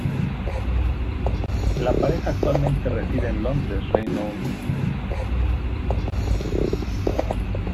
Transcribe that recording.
La pareja actualmente reside en Londres, Reino Unido.